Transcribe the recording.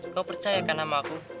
kau percayakan sama aku